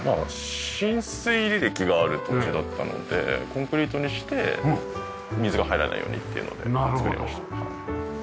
浸水履歴がある土地だったのでコンクリートにして水が入らないようにっていうので造りました。